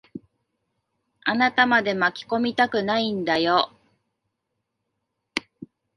あなたまで巻き込みたくないんだよ。